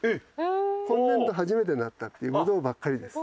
本年度初めてなったっていうブドウばっかりです。